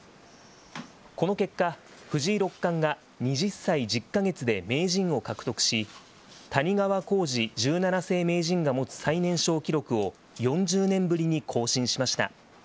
この結果、藤井六冠が２０歳１０か月で名人を獲得し、谷川浩司十七世名人が持つ最年少記録を４０年ぶりに更新しました。